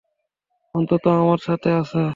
অন্তত, আমার সাথে আছে!